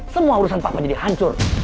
semua urusan papa jadi hancur